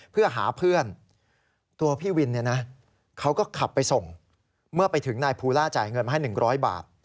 เพื่อหาเพื่อนตัวพี่วินเนี่ยนะเขาก็ขับไปส่งเมื่อไปถึงนายภูล่าจ่ายเงินมาให้๑๐๐บาท